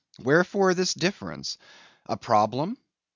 Wherefore this difference? A problem?